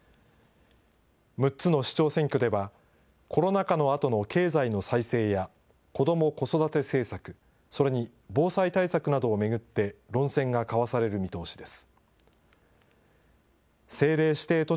６つの市長選挙ではコロナ禍のあとの経済の再生や、子ども・子育て政策、それに防災対策などを巡って、論戦が交わされる見通しです。